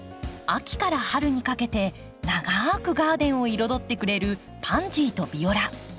秋から春にかけて長くガーデンを彩ってくれるパンジーとビオラ。